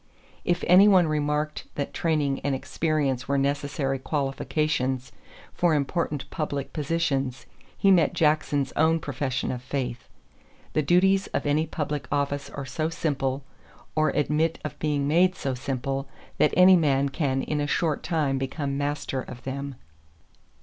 If any one remarked that training and experience were necessary qualifications for important public positions, he met Jackson's own profession of faith: "The duties of any public office are so simple or admit of being made so simple that any man can in a short time become master of them."